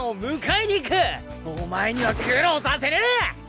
お前には苦労させねえ！